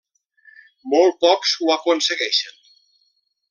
Molt pocs ho aconsegueixen.